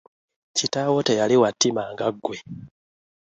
Kitaawo teyali wa ttima nga ggwe.